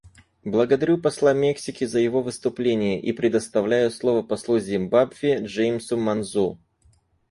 Благодарю посла Мексики за его выступление и предоставляю слово послу Зимбабве Джеймсу Манзу.